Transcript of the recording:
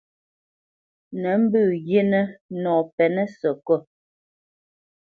Nǝ̌ mbǝ̄ghinǝ nɔ pɛ́nǝ̄ sǝkôt.